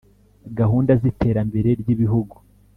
Gahunda z’iterambere ry’ibihugu